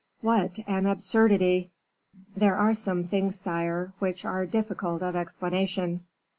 What an absurdity!" "There are some things, sire, which are difficult of explanation."